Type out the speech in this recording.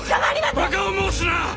バカを申すな！